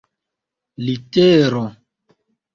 litero